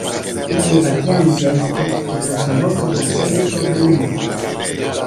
Ήταν βαριά η ζέστη και δροσερό το γρασίδι το βρεμένο.